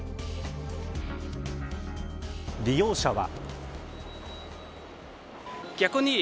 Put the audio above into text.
利用者は。